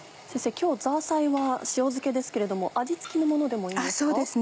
今日ザーサイは塩漬けですけれども味付きのものでもいいんですか？